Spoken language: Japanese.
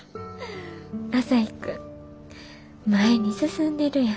朝陽君前に進んでるやん。